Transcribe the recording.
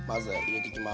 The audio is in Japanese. はい入れていきます。